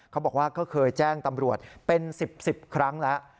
เขาบอกว่าก็เคยแจ้งตำรวจเป็น๑๐๑๐ครั้งแล้ว